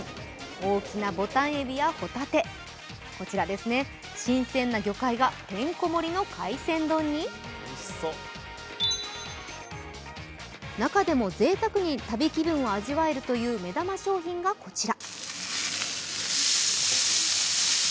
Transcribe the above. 大きなボタンエビやほたて、新鮮な魚介がてんこ盛りの海鮮丼に、中でもぜいたくに旅気分を味わえるという目玉商品がこちら。